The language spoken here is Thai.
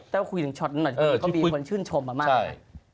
เต้าคุยถึงชอตนั้นหน่อยเค้ามีคนชื่นชมมาก